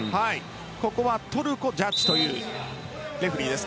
ここはトルコジャッジというレフリーです。